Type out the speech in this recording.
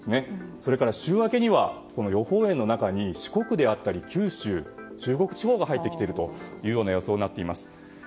それから、週明けには予報円の中に、四国や九州中国地方が入ってきている予想になっています。